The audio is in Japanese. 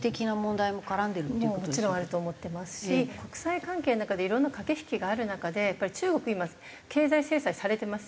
もちろんあると思ってますし国際関係の中でいろんな駆け引きがある中で中国今経済制裁されてますよね。